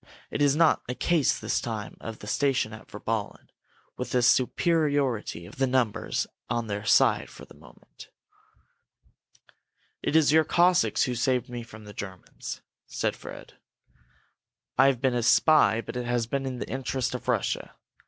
It is not a case this time of the station at Virballen, with the superiority of numbers on their side for the moment." "It is your Cossacks who saved me from the Germans," said Fred. "I have been a spy but it has been in the interest of Russia.